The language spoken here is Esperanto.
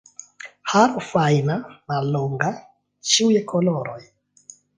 Haro fajna, mallonga, ĉiuj koloroj.